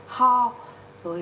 họ có tiền sử hút thuốc